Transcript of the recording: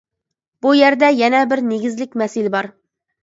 بۇ يەردە يەنە بىر نېگىزلىك مەسىلە بار.